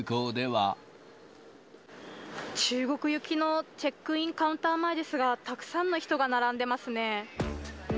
中国行きのチェックインカウンター前ですが、たくさんの人が並んでますね。